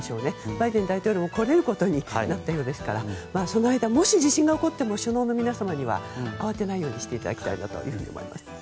バイデン大統領も来れることになったようですからその間、もし地震が起こっても首脳の皆さんには慌てないようにしていただきたいなと思います。